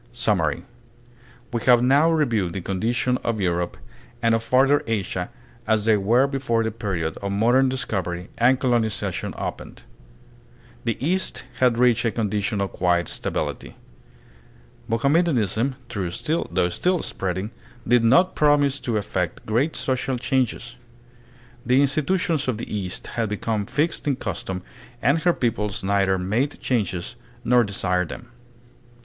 Summary. We have now reviewed the condition of Europe and of farther Asia as they were before the period of modern discovery and colonization opened. The East had reached a condition of quiet stability. Mohamme danism, though still spreading, did not promise to effect great social changes. The institutions of the East had become fixed in custom and her peoples neither made changes nor desired them.